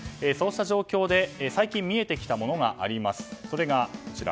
そうした現状で最近見えてきたものがあります。